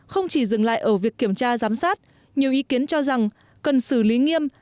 không chỉ dừng lại ở việc kiểm tra giám sát nhiều ý kiến cho rằng cần xử lý nghiêm